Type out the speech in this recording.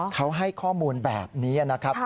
เขาให้ข้อมูลแบบนี้นะครับ